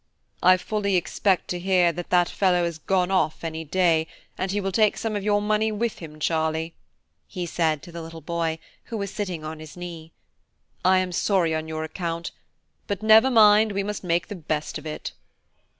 "I fully expect to hear that that fellow has gone off any day, and he will take some of your money with him, Charlie," he said to the little boy, who was sitting on his knee; "I am sorry on your account, but, never mind, we must make the best of it."